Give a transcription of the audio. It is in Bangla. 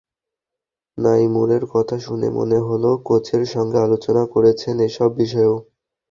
নাঈমুরের কথা শুনে মনে হলো, কোচের সঙ্গে আলোচনা করেছেন এসব বিষয়েও।